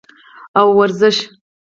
او ورزش